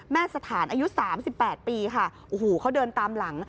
แม่สถานอายุสามสิบแปดปีค่ะอูหูเขาเดินตามหลัง